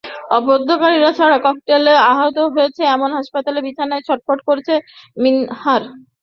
অবরোধকারীদের ছোড়া ককটেলে আহত হয়ে এখন হাসপাতালের বিছানায় ছটফট করছে মিনহাজ।